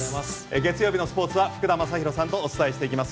月曜日のスポーツは福田正博さんとお伝えしていきます。